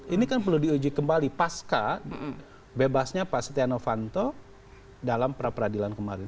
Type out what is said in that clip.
ini kan perlu diuji kembali pasca bebasnya pak setiano vanto dalam praperadilan kemarin